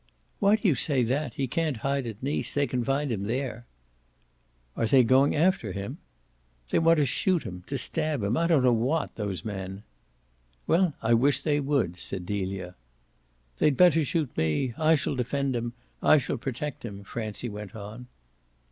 "Why do you say that? He can't hide at Nice they can find him there." "Are they going after him?" "They want to shoot him to stab him, I don't know what those men." "Well, I wish they would," said Delia. "They'd better shoot me. I shall defend him. I shall protect him," Francie went on.